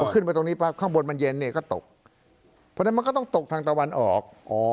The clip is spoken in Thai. ขึ้นไปตรงนี้ปั๊บข้างบนมันเย็นเนี่ยก็ตกเพราะฉะนั้นมันก็ต้องตกทางตะวันออก